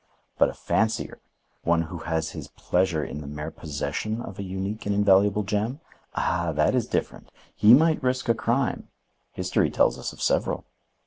But a fancier—one who has his pleasure in the mere possession of a unique and invaluable gem—ah! that is different! He might risk a crime—history tells us of several."